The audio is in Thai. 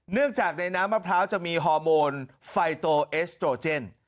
เนื่องจากในน้ำมะพร้าวจะมีฮอร์โมนไฟโตเอสโตรเจน